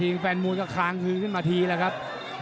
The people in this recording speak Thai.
แฟนมวยก็คางคืนขึ้นมาทีแล้วครับ